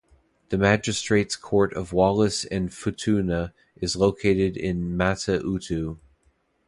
The magistrate's court of Wallis and Futuna is located in Mata-Utu.